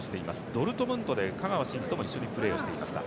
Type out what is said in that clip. ドルトムントで香川真司とも一緒にプレーをしていました。